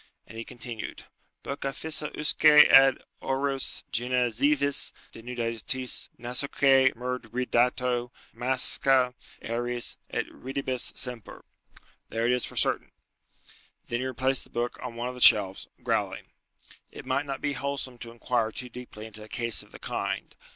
And he continued, "Bucca fissa usque ad aures, genezivis denudatis, nasoque murdridato, masca eris, et ridebis semper." "There it is for certain." Then he replaced the book on one of the shelves, growling. "It might not be wholesome to inquire too deeply into a case of the kind.